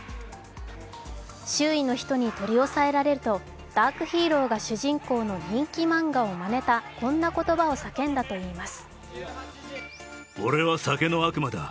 周囲の人に取り押さえられるとダークヒーローが主人公の人気漫画をまねたこんな言葉を叫んだといいます。